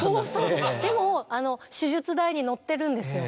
でもあの手術台に乗ってるんですよ。